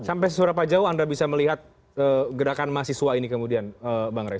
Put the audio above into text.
sampai seberapa jauh anda bisa melihat gerakan mahasiswa ini kemudian bang rey